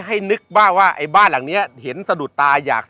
ให้นึกบ้างว่าไอ้บ้านหลังนี้เห็นสะดุดตาอยาก